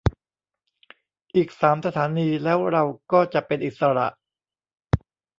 อีกสามสถานีแล้วเราก็จะเป็นอิสระ